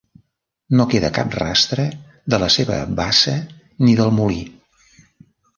No queda cap rastre de la seva bassa ni del molí.